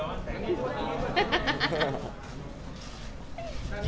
สวัสดีครับ